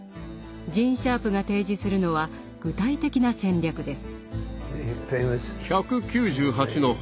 ジーン・シャープが提示するのは具体的な戦略です。